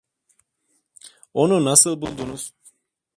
Onu nasıl buldunuz?